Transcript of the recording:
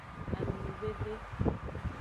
Amenuveve.